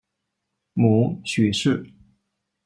母许氏。